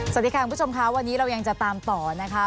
สวัสดีค่ะคุณผู้ชมค่ะวันนี้เรายังจะตามต่อนะคะ